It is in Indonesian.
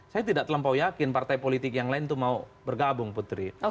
saya tidak terlampau yakin partai politik yang lain itu mau bergabung putri